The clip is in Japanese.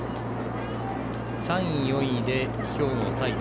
３位、４位で兵庫、埼玉。